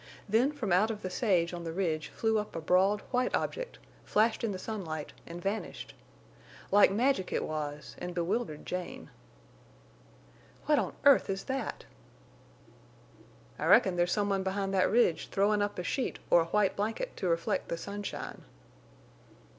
Then from out of the sage on the ridge flew up a broad, white object, flashed in the sunlight and vanished. Like magic it was, and bewildered Jane. "What on earth is that?" [Illustration: "What on earth is that?"] "I reckon there's some one behind that ridge throwin' up a sheet or a white blanket to reflect the sunshine."